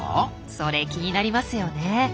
それ気になりますよね。